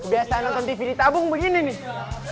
biasa nonton tv di tabung begini nih